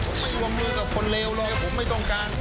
ผมไม่รวมมือกับคนเลวเลยผมไม่ต้องการ